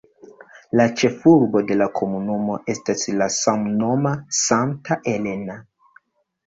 La ĉefurbo de la komunumo estas la samnoma Santa Elena.